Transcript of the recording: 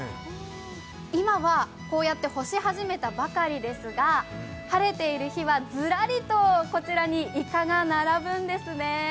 今はこうやって干し始めたばかりですが晴れている日はずらりとこちらにイカが並ぶんですね。